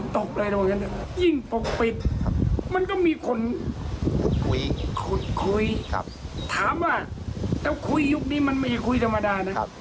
ถามว่าถ้าคุยยุคนี้มันไม่คุยธรรมดานะ